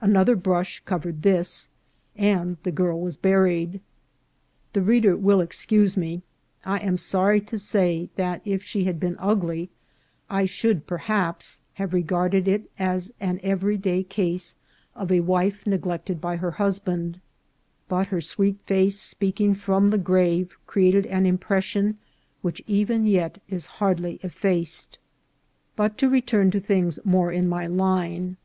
Another brush covered this, and the girl was buried. The reader will excuse me. I am sorry to say that if she had been ugly, I should, perhaps, have regarded it as an e very day case of a wife neglected by her husband ; but her sweet face speaking from the grave created an impression which even yet is hardly effaced. But to return to things more in my line.